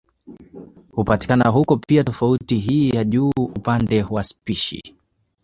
Hupatikana huko pia tofauti hii ya juu upande wa spishi